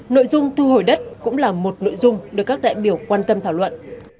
nội dung thu hồi đất cũng là một nội dung được các đại biểu quan tâm thảo luận